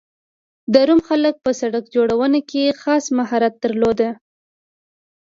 د روم خلکو په سړک جوړونه کې خاص مهارت درلود